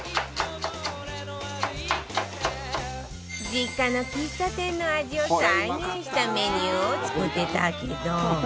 実家の喫茶店の味を再現したメニューを作ってたけど